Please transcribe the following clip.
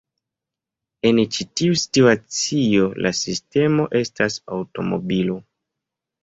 En ĉi tiu situacio, la sistemo estas aŭtomobilo.